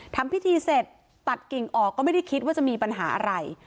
ทำพิธีเสร็จตัดกิ่งออกก็ไม่ได้คิดว่าจะมีปัญหาอะไร